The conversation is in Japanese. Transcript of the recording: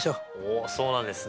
おそうなんですね。